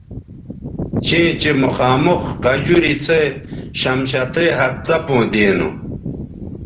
چیں چہء مخامخ قجوری سو څھے شمشتئ ھَت څپوں دینو